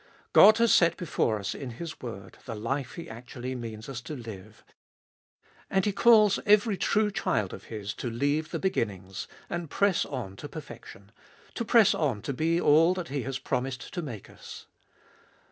God has set before us in His word the life He actually means us to live, and He calls every true child of His to leave the beginnings, and press on to perfection, to press on to be all that He has pro mised to make us.